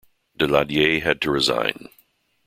Daladier had to resign.